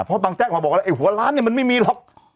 พ่อบางแจ๊กมาบอกอะไรไอ้หัวล้านมันไม่มีหรอก